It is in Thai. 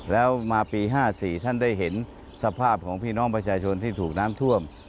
แล้วมาปี๕๔ท่านได้เห็นสภาพของพี่น้องประชาชนที่ถูกน้ำท่วม